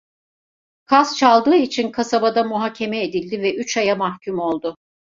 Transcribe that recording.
Kaz çaldığı için kasabada muhakeme edildi ve üç aya mahkum oldu.